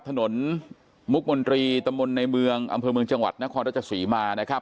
ถนนมุกมนตรีตำบลในเมืองอำเภอเมืองจังหวัดนครราชสีมานะครับ